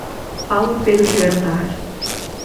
Paulo e Pedro chegaram tarde.